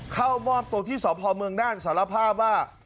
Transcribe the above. เข้ามอบตัวที่สพเมืองน่านสารภาพว่า